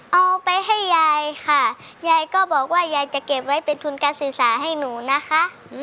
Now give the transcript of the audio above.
เอาไปให้ยายค่ะยายก็บอกว่ายายจะเก็บไว้เป็นทุนการศึกษาให้หนูนะคะ